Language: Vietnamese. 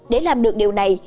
để làm được điều này